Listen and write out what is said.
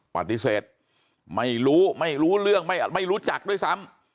ปฏิเสธไม่รู้ไม่รู้เรื่องไม่รู้จักด้วยซ้ำ